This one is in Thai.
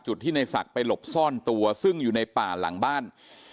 ที่ในศักดิ์ไปหลบซ่อนตัวซึ่งอยู่ในป่าหลังบ้าน